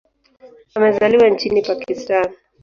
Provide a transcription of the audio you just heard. Amezaliwa nchini Pakistan.